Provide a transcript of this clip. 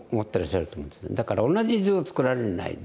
だから同じ図を作られないで。